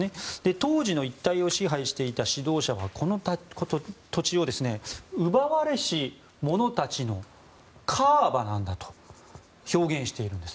当時の一帯を支配していた指導者はこの土地を奪われし者たちのカーバなんだと表現しているんです。